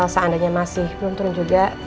seandainya masih belum turun juga